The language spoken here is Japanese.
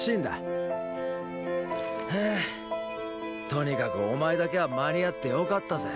とにかくお前だけは間に合ってよかったぜ。